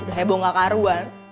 udah heboh gak karuan